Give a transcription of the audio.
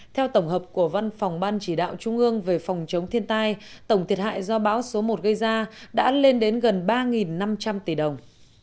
theo tổng hợp của văn phòng ban chỉ đạo trung ương về phòng chống thiên tai tổng thiệt hại do bão số một gây ra đã lên đến gần ba năm trăm linh tỷ đồng